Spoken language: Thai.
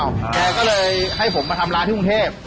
แกก็เลยให้ผมมาทำร้านที่กรุงเทพ